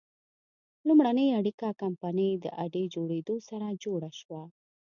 لومړنۍ اړیکه کمپنۍ د اډې جوړېدو سره جوړه شوه.